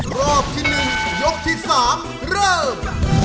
รอบที่๑ยกที่๓เริ่ม